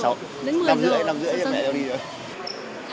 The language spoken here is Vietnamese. năm h ba mươi thì mẹ con đi thôi